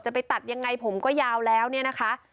ไปตัดยังไงผมก็ยาวแล้วเนี่ยนะคะ